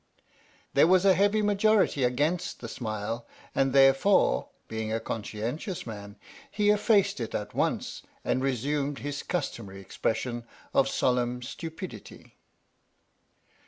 There was a heavy majority against the smile and therefore, being a conscientious man, he effaced it at once and resumed his customary expression of solemn stupidity.